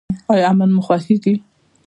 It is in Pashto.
ایا امن مو خوښیږي؟